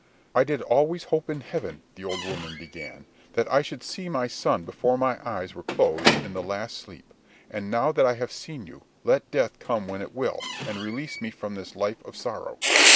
"I did always hope in heaven," the old woman began, "that I should see my son before my eyes were closed in the last sleep; and now that I have seen you, let death come when it will, and release me from this life of sorrow.